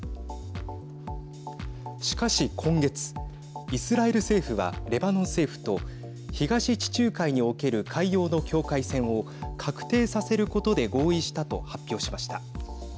しかし、今月イスラエル政府はレバノン政府と東地中海における海洋の境界線を画定させることで合意したと発表しました。